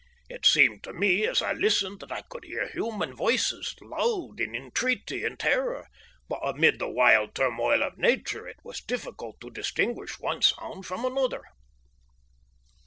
It seemed to me as I listened that I could hear human voices loud in intreaty and terror, but amid the wild turmoil of Nature it was difficult to distinguish one sound from another.